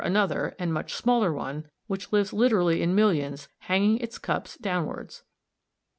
67) another and much smaller one which lives literally in millions hanging its cups downwards.